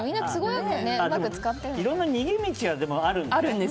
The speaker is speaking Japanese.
いろんな逃げ道はあるんだね。